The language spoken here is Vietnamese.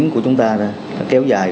của chúng ta kéo dài